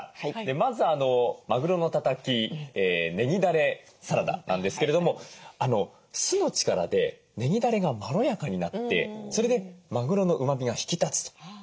まず「まぐろのたたきねぎだれサラダ」なんですけれども酢の力でねぎだれがまろやかになってそれでまぐろのうまみが引き立つということでした。